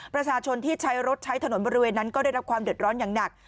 ประชาชนที่ใช้รถใช้ถนนบริเวณนั้นก็ได้รับความเดือดร้อนอย่างหนัก